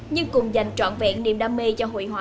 nhưng cùng dành trọn vẹn niềm đam mê cho hội họa